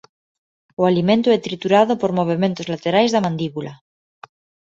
O alimento é triturado por movementos laterais da mandíbula.